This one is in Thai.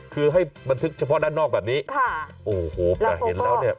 คือให้มันทึกเฉพาะด้านนอกแบบนี้